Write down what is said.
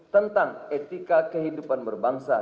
tentang etika kehidupan berbangsa